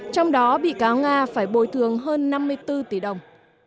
trong đó bị cáo nga phải bồi thường hơn năm mươi bốn tỷ đồng